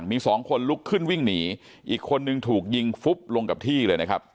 มีสองคนลุกขึ้นวิ่งหนีอีกคนนึงถูกยิงฟุบลงกับที่เลยนะครับ